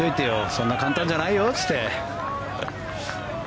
そんな簡単じゃないよって。